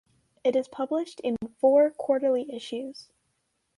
It is published in four quarterly issues.